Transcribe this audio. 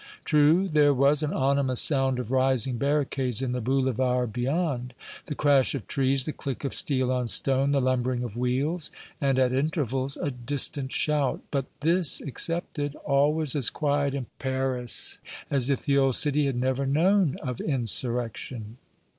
True, there was an ominous sound of rising barricades in the Boulevard beyond the crash of trees, the click of steel on stone, the lumbering of wheels and, at intervals, a distant shout. But this excepted, all was as quiet in Paris as if the old city had never known of insurrection.